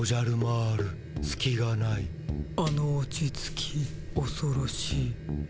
あの落ち着きおそろしい。